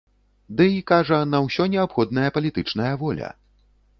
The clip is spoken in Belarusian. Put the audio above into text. Дый, кажа, на ўсё неабходная палітычная воля.